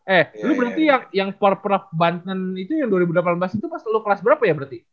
eh ini berarti yang porpraf banten itu yang dua ribu delapan belas itu pas lo kelas berapa ya berarti